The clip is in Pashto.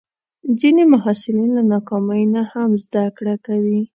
ځینې محصلین له ناکامۍ نه هم زده کړه کوي.